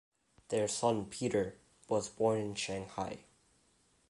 Their son, Peter, was born in Shanghai.